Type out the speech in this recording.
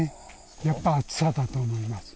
やっぱ暑さだと思います。